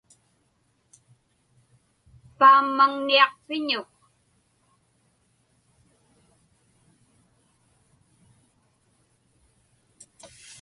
Paammaŋniaqpiñuk?